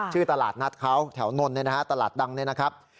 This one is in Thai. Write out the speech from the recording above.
ชื่อตลาดนัดเขาแถวนนดนะฮะตลาดดังนะครับ